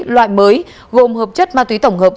loại mới gồm hợp chất ma túy tổng hợp